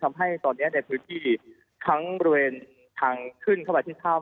ทำให้ตอนนี้ในพื้นที่ทั้งบริเวณทางขึ้นเข้าไปที่ถ้ำ